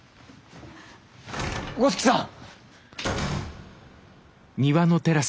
五色さん！